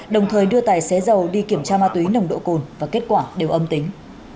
đồng thời đưa tài xế giàu đi kiểm tra ma túy nồng độ cồn và kết quả đều âm tính